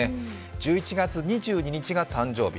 １１月２２日が誕生日。